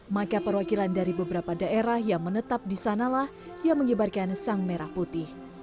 maka perwakilan dari beberapa daerah yang menetap di sanalah yang mengibarkan sang merah putih